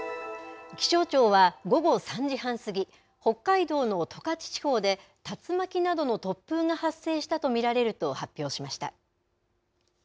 気象庁は午後３時半過ぎ、北海道の十勝地方で竜巻などの突風が発生したと見られると発表しました。